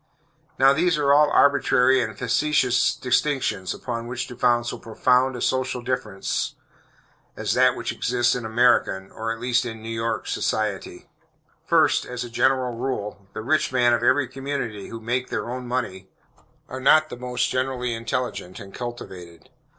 Now these are all arbitrary and factitious distinctions upon which to found so profound a social difference as that which exists in American, or, at least in New York, society. First, as a general rule, the rich men of every community, who make their own money, are not the most generally intelligent and cultivated.